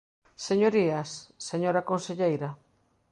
Señorías, señora conselleira.